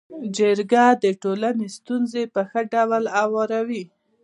جرګه د ټولني ستونزي په ښه ډول حلوي.